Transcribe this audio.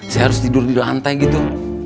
saya harus tidur di lantai gitu